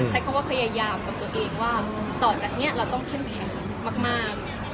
ใช้คำว่าพยายามกับตัวเองว่าต่อจากนี้เราต้องเข้มแข็งมาก